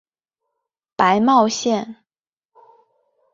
白茂线